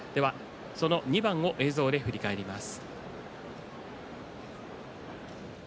その２番を映像で振り返ります。